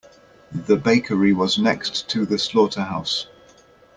The bakery was next to the slaughterhouse.